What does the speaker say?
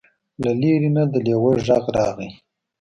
له لرې نه د لیوه غږ راغی.